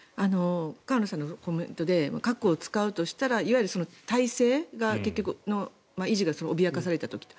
河野さんのコメントで核を使うとしたらいわゆる体制の維持が脅かされた時と。